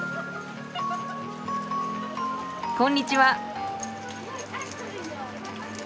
こんにちは。